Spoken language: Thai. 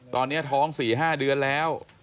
ตอนนี้ท้อง๔๕เดือนแล้ว